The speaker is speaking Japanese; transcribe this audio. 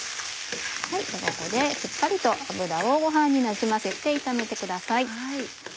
しっかりと油をご飯になじませて炒めてください。